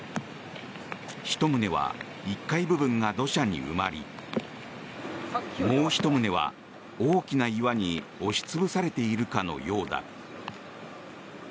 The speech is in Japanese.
１棟は１階部分が土砂に埋まりもう１棟は大きな岩に押し潰されているかのようだ。